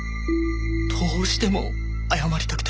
どうしても謝りたくて。